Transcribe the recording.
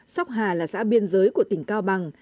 sóc hà là xã biên giới của tỉnh cao bằng